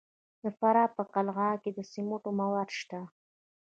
د فراه په قلعه کاه کې د سمنټو مواد شته.